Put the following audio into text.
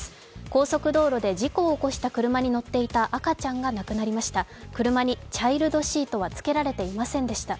高速道路で事故を起こした車に乗っていた赤ちゃんが亡くなりました。